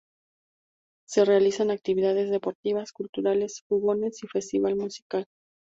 Se realizan actividades deportivas, culturales, fogones y festival musical.